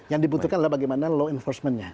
yang dibutuhkan adalah bagaimana law enforcementnya